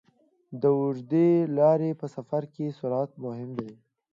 د اوږدې لارې په سفر کې سرعت مهم دی.